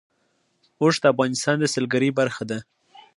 اوښ د افغانستان د سیلګرۍ برخه ده.